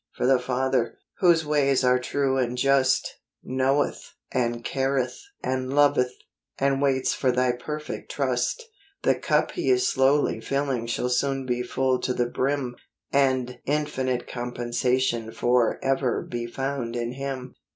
for the Father, whose ways are true and just, Knoweth and careth and loveth, and waits for Thy perfect trust; The cup He is slowly filling shall soon be full to the brim, And infinite compensation for ever be found in Him.